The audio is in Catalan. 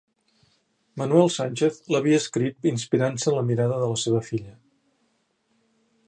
Manuel Sánchez l'havia escrit inspirant-se en la mirada de la seva filla.